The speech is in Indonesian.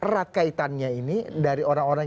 rakaitannya ini dari orang orang